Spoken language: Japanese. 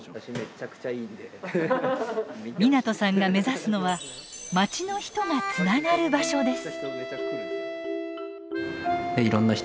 湊さんが目指すのはまちの人がつながる場所です。